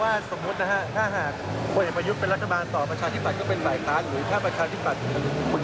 สมมุตินะฮะถ้าหากพลเอกประยุทธ์เป็นรัฐบาลต่อประชาธิบัตย์ก็เป็นฝ่ายค้านหรือถ้าประชาธิบัตย์